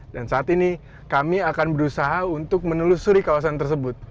dan saat ini kami akan berusaha untuk menelusuri kawasan tersebut